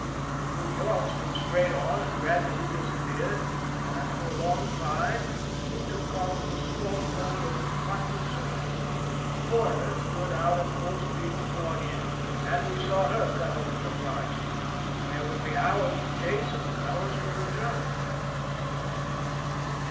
The New York stood straight on \ and gradually disappeared, and for a long time the / two columns of smoke told of hot pursuit. The I Porter stood out at full speed to join in, and we saw her cut over the horizon. There would be hours of chase and hours for return.